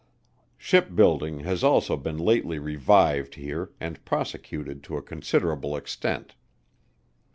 Ship building has also been lately revived here and prosecuted to a considerable extent.